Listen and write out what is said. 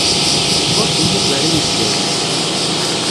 Ur temmuger inebgawen.